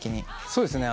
そうですね。